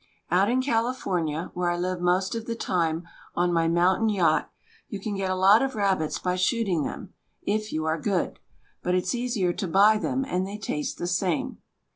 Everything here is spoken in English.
Out in California, where I live most of the time on my mountain yacht, you can get a lot of rabbits by shoot ing them — if you are good. But it's easier to buy them, and they taste the same.